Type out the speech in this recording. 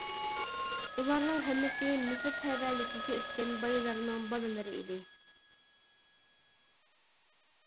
ئۇلارنىڭ ھەممىسى مىسىر تەۋەلىكىگە ئۆتكەن بايلارنىڭ باللىرى ئىدى.